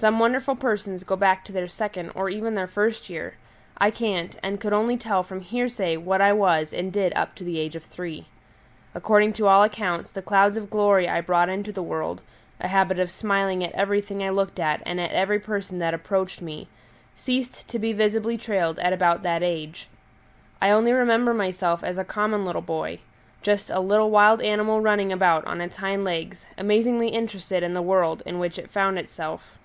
Some wonderful persons go back to their second or even their first year; I can't, and could only tell from hearsay what I was and did up to the age of three. According to all accounts, the clouds of glory I brought into the world a habit of smiling at everything I looked at and at every person that approached me ceased to be visibly trailed at about that age; I only remember myself as a common little boy just a little wild animal running about on its hind legs, amazingly interested in the world in which it found itself.